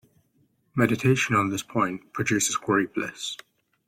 Meditation on this point produces great bliss.